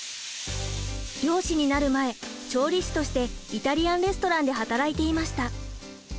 漁師になる前調理師としてイタリアン・レストランで働いていました。